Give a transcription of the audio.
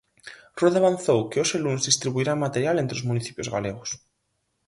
Rueda avanzou que hoxe luns distribuirán material entre os municipios galegos.